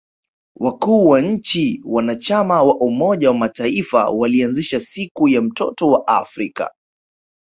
Wakuu wa nchi wanachama wa umoja wa mataifa walianzisha siku ya mtoto wa Afrika